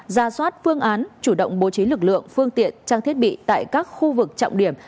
ra soát phương án chủ động bố trí lực lượng phương tiện trang thiết bị tại các khu vực trọng điểm